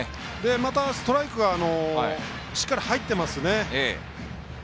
またストライクがしっかり入っていますね。